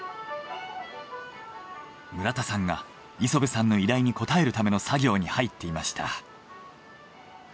村田さんが磯部さんの依頼に応えるための作業に入っていました。